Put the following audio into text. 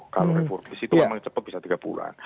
kalau reformis itu memang cepat bisa tiga bulan